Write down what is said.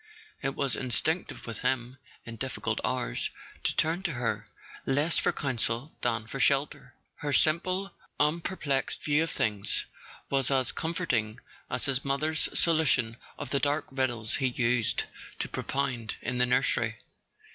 It was in¬ stinctive with him, in difficult hours, to turn to her, less for counsel than for shelter; her simple unper¬ plexed view of things was as comforting as his mother's solution of the dark riddles he used to propound in the nursery.